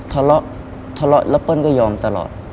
ทะเลาะทะเลาะแล้วเปิ้ลก็ยอมตลอด